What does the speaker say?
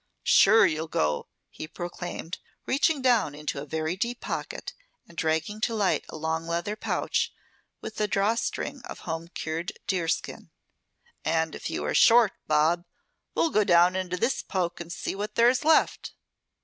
"Sure you'll go," he proclaimed, reaching down into a very deep pocket and dragging to light a long leather pouch, with a draw string of home cured deer skin. "And if you are short, Bob, we'll go down into this poke and see what there is left.